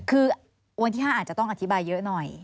คือวันที่๕อาจจะต้องอธิบายเยอะหน่อย